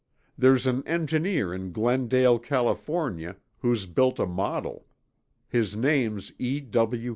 There's an engineer in Glendale, California, who's built a model. His name's E.